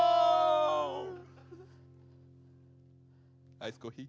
「アイスコーヒー」。